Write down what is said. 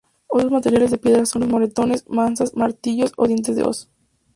Otros materiales de piedra son los morteros, mazas, martillos o dientes de hoz.